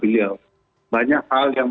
beliau banyak hal yang